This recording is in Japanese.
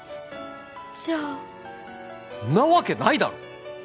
じゃあんなわけないだろ！